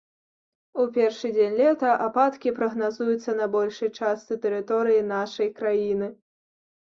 У першы дзень лета ападкі прагназуюцца на большай частцы тэрыторыі нашай краіны.